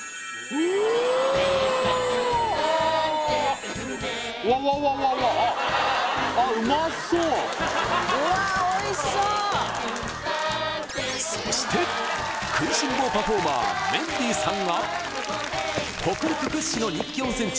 おーっそして食いしん坊パフォーマーメンディーさんが北陸屈指の人気温泉地